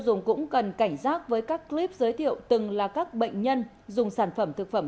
dùng cũng cần cảnh giác với các clip giới thiệu từng là các bệnh nhân dùng sản phẩm thực phẩm